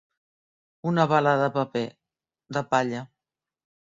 Una bala de paper, de palla.